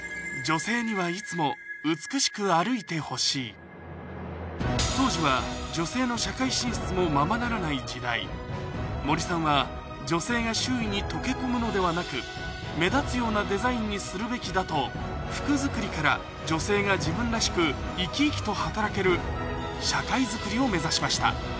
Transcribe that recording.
それは当時は女性の社会進出もままならない時代森さんは女性が周囲に溶け込むのではなく目立つようなデザインにするべきだと服作りから女性が自分らしく生き生きと働ける社会づくりを目指しました